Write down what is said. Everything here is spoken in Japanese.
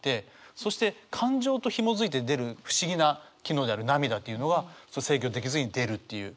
そして感情とひもづいて出る不思議な機能である涙っていうのは制御できずに出るっていう。